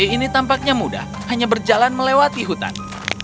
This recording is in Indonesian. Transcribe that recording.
ini tampaknya mudah hanya berjalan melewati hutan